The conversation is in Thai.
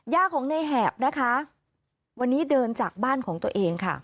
ย่าของในแหบนะคะวันนี้เดินจากบ้านของตัวเองค่ะ